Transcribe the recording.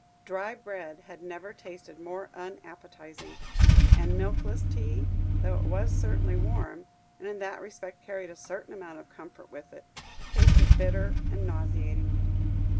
Dry bread had never tasted more unappetising; and milkless tea (though it was certainly warm, and in that respect carried a certain amount of comfort with it), tasted bitter and nauseating.